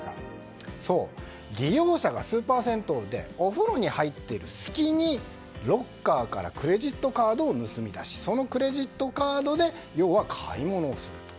利用者がスーパー銭湯でお風呂に入っている隙にロッカーからクレジットカードを盗み出しそのクレジットカードで要は、買い物をすると。